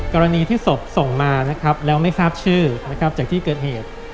กรณีที่ศพส่งมาแล้วไม่ทราบชื่อจากที่เกิดเหตุ